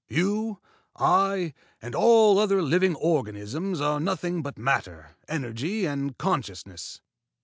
You, I, and all other living organisms are nothing but matter, energy and consciousness.